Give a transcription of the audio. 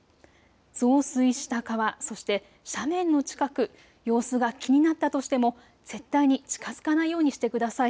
増水した川、そして斜面の近く、様子が気になったとしても絶対に近づかないようにしてください。